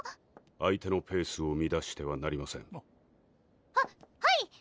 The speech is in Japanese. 相手のペースをみだしてはなりませんははい！